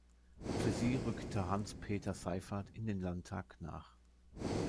Für sie rückte Hans-Peter Seyffardt in den Landtag nach.